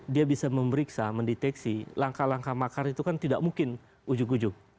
dia bisa memeriksa mendeteksi langkah langkah makar itu kan tidak mungkin ujuk ujuk